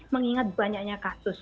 mengingat banyaknya kasus